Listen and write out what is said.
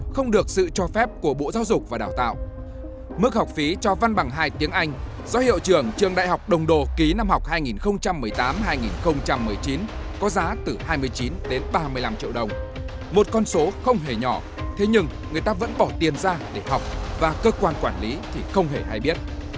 không hề hay biết